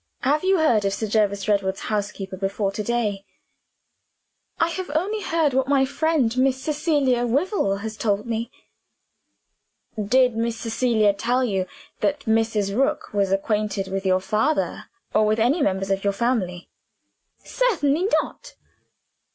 Have you heard of Sir Jervis Redwood's housekeeper before to day?" "I have only heard what my friend Miss Cecilia Wyvil has told me." "Did Miss Cecilia tell you that Mrs. Rook was acquainted with your father or with any members of your family?" "Certainly not!"